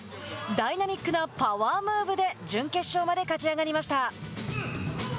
ダイナミックなパワームーブで準決勝まで勝ち上がりました。